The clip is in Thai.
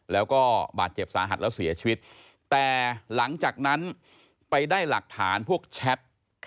แล้วก็บาดเจ็บสาหัสแล้วเสียชีวิตแต่หลังจากนั้นไปได้หลักฐานพวกแชท